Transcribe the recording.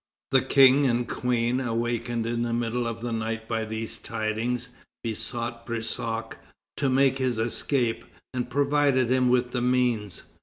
The King and Queen, awakened in the middle of the night by these tidings, besought Brissac to make his escape, and provided him with the means.